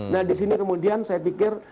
nah disini kemudian saya pikir